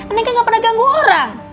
neng kan gak pernah ganggu orang